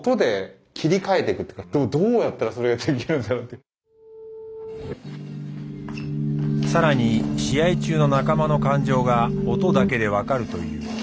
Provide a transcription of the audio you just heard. いや更に試合中の仲間の感情が音だけで分かるという。